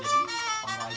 apalagi dari semua masyarakat